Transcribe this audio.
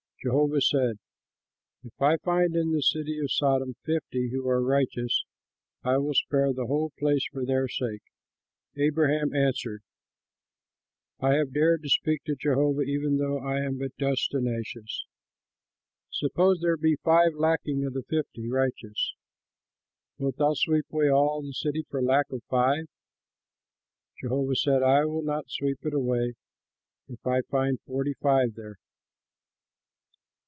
Jehovah said, "If I find in the city of Sodom fifty who are righteous, I will spare the whole place for their sake." Abraham answered, "I have dared to speak to Jehovah, even though I am but dust and ashes. Suppose there be five lacking of the fifty righteous. Wilt thou sweep away all the city for lack of five?" Jehovah said, "I will not sweep it away, if I find forty five there."